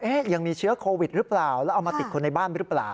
ยังมีเชื้อโควิดหรือเปล่าแล้วเอามาติดคนในบ้านหรือเปล่า